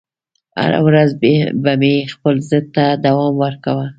هره ورځ به مې خپل ضد ته دوام ورکاوه